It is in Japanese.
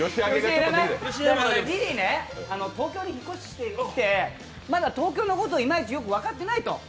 リリーね、東京に引っ越してきて、まだ東京のことをイマイチよく分かっていないと。